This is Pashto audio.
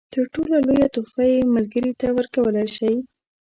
تر ټولو لویه تحفه چې ملګري ته یې ورکولای شئ.